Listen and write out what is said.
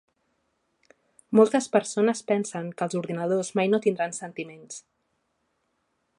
Moltes persones pensen que els ordinadors mai no tindran sentiments.